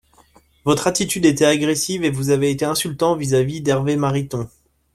Votre attitude était agressive et vous avez été insultant vis-à-vis d’Hervé Mariton.